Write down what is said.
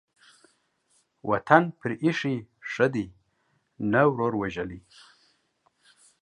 وطن پرې ايښى ښه دى ، نه ورور وژلى.